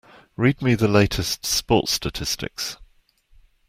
Read me the latest sports statistics.